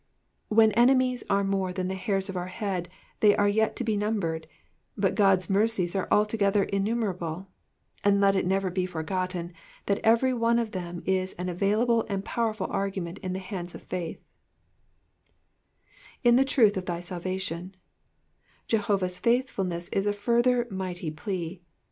When enemies are more than the hairs of our head, they are yet to be numbered, but God^s mercies are altogether innumerable, and let it never be forgotten that every one of them is an avail able and powerful argument in the hand of faith, ^^/n the truth of thy mloation, "■ Jehovah's faithfulness is a further mighty plea.